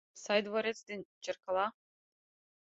Сай дворец ден черкыла